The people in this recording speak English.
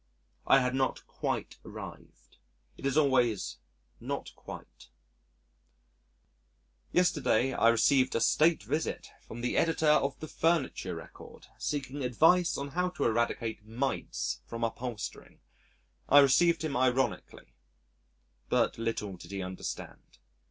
I had not quite arrived. It is always not quite. Yesterday, I received a state visit from the Editor of the Furniture Record seeking advice on how to eradicate mites from upholstering! I received him ironically but little did he understand.